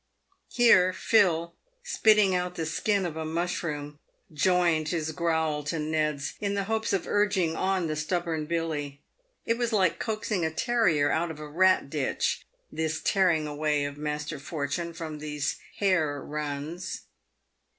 Here Phil, spitting out the skin of a mushroom, joined his growl to Ned's, in the hopes of urging on the stubborn Billy. It was like coaxing a terrier out of a rat ditch this tearing away of Master For tune from these hare runs.